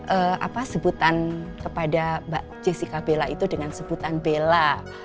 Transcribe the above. apa sebutan kepada mbak jessica bella itu dengan sebutan bella